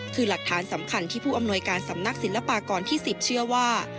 คือหลักฐานสำคัญที่ผู้อำนวยการสำนักศิลปากรที่๑๐เชื่อว่า